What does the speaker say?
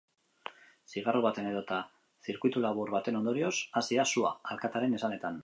Zigarro baten edota zirkuitulabur baten ondorioz hasi da sua, alkatearen esanetan.